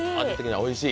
おいしい。